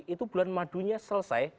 itu bulan madunya selesai